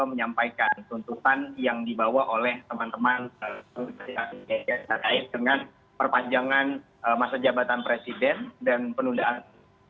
saya menyampaikan tuntukan yang dibawa oleh teman teman pak luhut tanjaitan dengan perpanjangan masa jabatan presiden dan penundaan